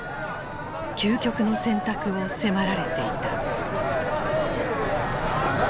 究極の選択を迫られていた。